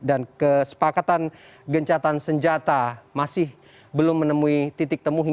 dan kesepakatan gencatan senjata masih belum menemui titik temu